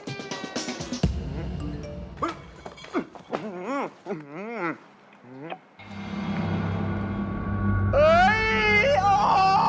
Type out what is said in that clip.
อืกอฮื้อฮัน